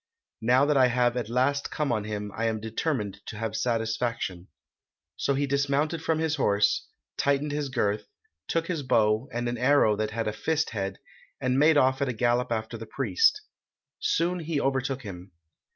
Now that I have at last come on him I am determined to have satisfaction.' So he dismounted from his horse, tightened his girth, took his bow, and an arrow that had a 'fist' head, and made off at a gallop after the priest. Soon he overtook him.